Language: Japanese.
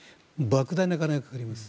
莫大な金がかかります。